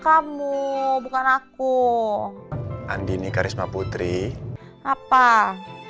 kamu bukan aku andi nih karisma masi ya enggak mau aku ngidam kau mau aku ngidam kau mau aku enggak mau aku